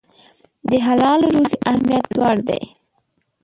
د حلالې روزي اهمیت لوړ دی.